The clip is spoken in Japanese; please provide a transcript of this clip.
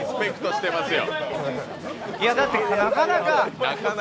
だって、なかなか。